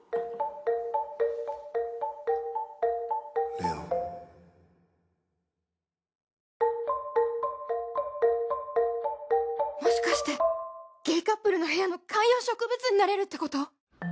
レオもしかしてゲイカップルの部屋の観葉植物になれるってこと！？